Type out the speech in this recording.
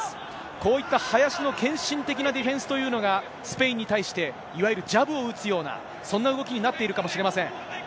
こういった林の献身的なディフェンスというのが、スペインに対して、いわゆるジャブを打つような、そんな動きになっているかもしれません。